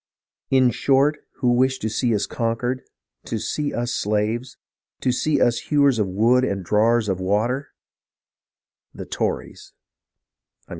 In short, who wish to see us conquered, to see us slaves, to see us hewers of wood and drawers of water ? The Tories